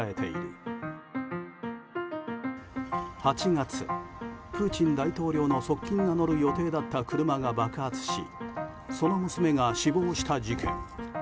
８月、プーチン大統領の側近が乗る予定だった車が爆発しその娘が死亡した事件。